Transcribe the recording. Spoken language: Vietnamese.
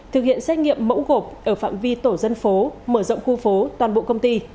thực hiện xét nghiệm mẫu gộp ở phạm vi tổ dân phố mở rộng khu phố toàn bộ công ty